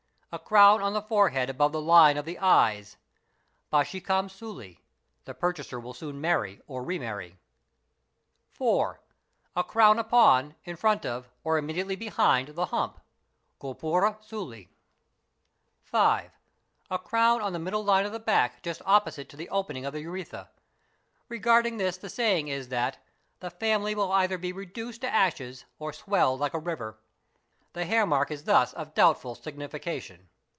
A crown on the forehead above the line of the eyes, (bhashicam sult)—the purchaser will soon marry or re marry. 4. A crown upon, in front of, or immediately behind, the hump, i. (gopura sult). 5. A crown on the middle line of the back just opposite to the opening of the urethra. Regarding this the saying is that—'"' the family | will either be reduced to ashes or swell like a river'. The hairmark is thus of doubtful signification.